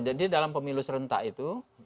jadi dalam pemilu serentak itu